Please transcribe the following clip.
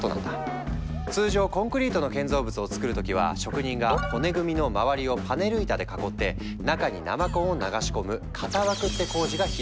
通常コンクリートの建造物をつくる時は職人が骨組みの周りをパネル板で囲って中に生コンを流し込む「型枠」って工事が必須だったの。